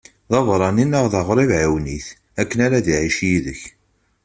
D abeṛṛani neɣ d aɣrib ɛiwen-it, akken ad iɛic yid-k.